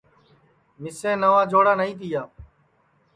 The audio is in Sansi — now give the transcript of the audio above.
مِسیں نواں جوڑا نائی تِیا